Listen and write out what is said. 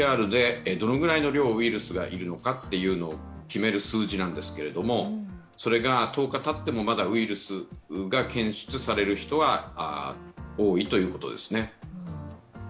ＰＣＲでどのぐらいの量をウイルスがいるのか決める数値ですがそれが１０日たってもまだウイルスが検出される人は多いということですね。